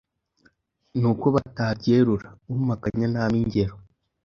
nuko batabyerura umpakanya nampe ingero